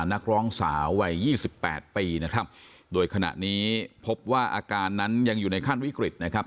นักร้องสาววัยยี่สิบแปดปีนะครับโดยขณะนี้พบว่าอาการนั้นยังอยู่ในขั้นวิกฤตนะครับ